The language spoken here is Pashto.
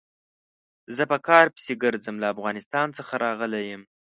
زه په کار پسې ګرځم، له افغانستان څخه راغلی يم.